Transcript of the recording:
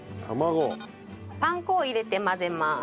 パン粉を入れて混ぜます。